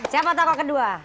siapa toko kedua